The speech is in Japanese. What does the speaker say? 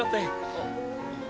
あっ。